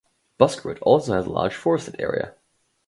Buskerud has also a large forested area.